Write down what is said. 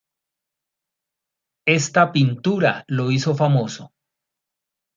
Esta pintura lo hizo famoso.